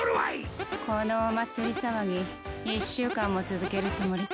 このお祭り騒ぎ１週間も続けるつもりか。